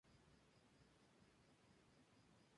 De vez en cuando aparece en show the Tyra Banks.